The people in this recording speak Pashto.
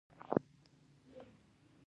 په میلادي کال کې د بکتریاوو لست جوړ شو.